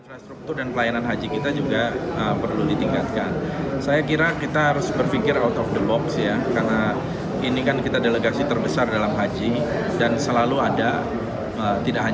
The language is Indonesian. fadli mencotokkan pembangunan sebuah tempat bagi pelayanan haji yang tidak ad hoc tapi permanen semi permanen